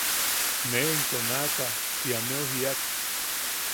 Ne into naʼaka ti ameu jiak.